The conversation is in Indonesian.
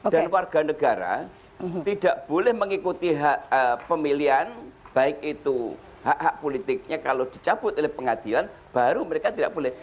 dan warga negara tidak boleh mengikuti hak pemilihan baik itu hak hak politiknya kalau dicabut oleh pengadilan baru mereka tidak boleh